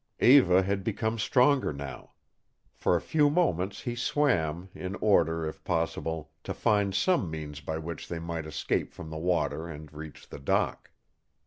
Eva had become stronger now. For a few moments he swam, in order, if possible, to find some means by which they might escape from the water and reach the dock.